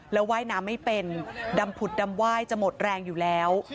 แล้วว่ายน้ำไม่เป็นดำผุดดำไหว้จะหมดแรงอยู่แล้ว